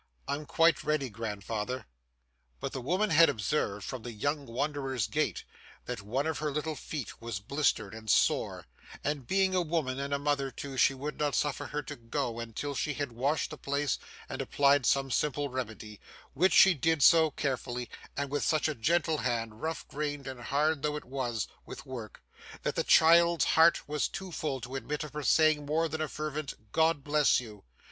I'm quite ready, grandfather.' But the woman had observed, from the young wanderer's gait, that one of her little feet was blistered and sore, and being a woman and a mother too, she would not suffer her to go until she had washed the place and applied some simple remedy, which she did so carefully and with such a gentle hand rough grained and hard though it was, with work that the child's heart was too full to admit of her saying more than a fervent 'God bless you!